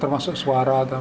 termasuk suara atau apa